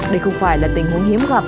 đây không phải là tình huống hiếm gặp